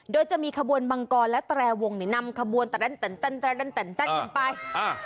โดยจะมีขบวนบังกรและแตรวงเนี่ยนำขบวนตันตันตันตันตันตันตันไปอ่า